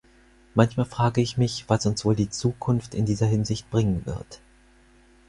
Manchmal frage ich mich, was uns wohl die Zukunft in dieser Hinsicht bringen wird.